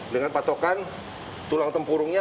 dengan patokan tulang tempurungnya